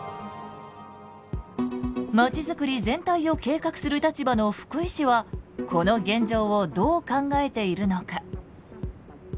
まちづくり全体を計画する立場の福井市はこの現状をどう考えているのか。